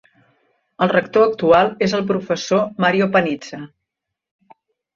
El rector actual és el professor Mario Panizza.